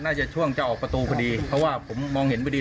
ช่วงจะออกประตูพอดีเพราะว่าผมมองเห็นพอดี